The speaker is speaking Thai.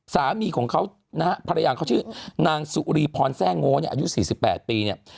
สามีของเขานะฮะภรรยาเขาชื่อนางสุรีพรแซ่งโง่เนี่ยอายุ๔๘ปีเนี่ย